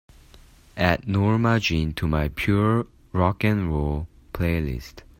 Add Norma Jean to my pure rock & roll playlist.